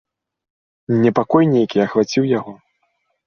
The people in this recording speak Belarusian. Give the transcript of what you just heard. Непакой нейкі ахваціў яго.